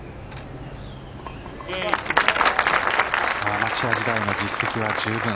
アマチュア時代の実績は十分。